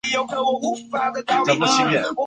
本鱼分布于印度洋及太平洋海域。